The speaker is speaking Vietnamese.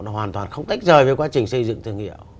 hoàn toàn không tách rời với quá trình xây dựng thương hiệu